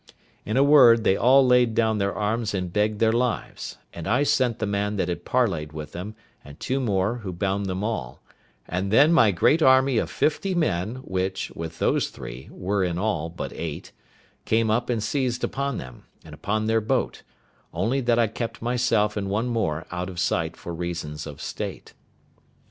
In a word, they all laid down their arms and begged their lives; and I sent the man that had parleyed with them, and two more, who bound them all; and then my great army of fifty men, which, with those three, were in all but eight, came up and seized upon them, and upon their boat; only that I kept myself and one more out of sight for reasons of state.